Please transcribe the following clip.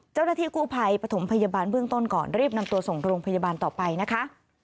เจ้าหน้าที่กู้ภัยปฐมพยาบาลเบื้องต้นก่อนรีบนำตัวส่งโรงพยาบาลต่อไปนะคะ